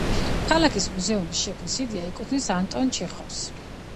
ქალაქის მუზეუმის შექმნის იდეა ეკუთვნის ანტონ ჩეხოვს.